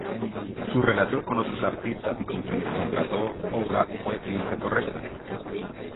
Su relación con otros artistas y con quienes contrató obra fue siempre correcta.